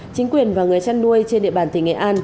chính quyền và người chăn nuôi trên địa bàn tỉnh nghệ an